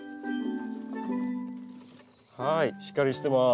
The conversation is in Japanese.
はいしっかりしてます。